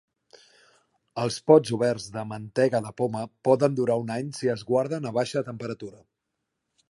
Els pots oberts de mantega de poma poden durar un any si es guarden a baixa temperatura.